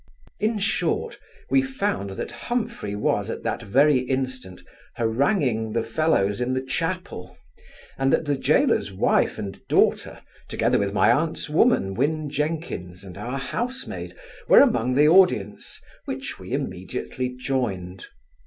In short, we found that Humphry was, at that very instant, haranguing the felons in the chapel; and that the gaoler's wife and daughter, together with my aunt's woman, Win Jenkins, and our house maid, were among the audience, which we immediately joined.